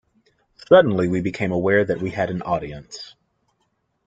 Suddenly we became aware that we had an audience.